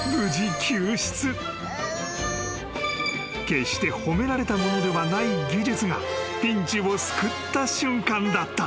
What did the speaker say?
［決して褒められたものではない技術がピンチを救った瞬間だった］